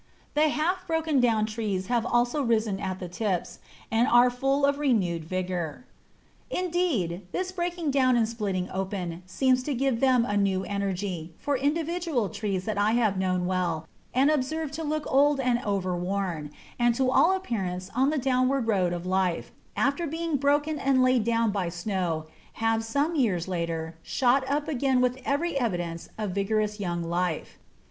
The half broken down trees have also risen at the tips, and are full of renewed vigour. Indeed, this breaking down and splitting open seems to give them a new energy, for individual trees that I have known well, and observed to look old and over worn, and to all appearance on the downward road of life, after being broken and laid down by snow, have some years later, shot up again with every evidence of vigorous young life.